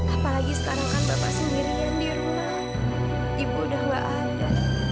apalagi sekarang kan bapak sendirian di rumah ibu udah gak ada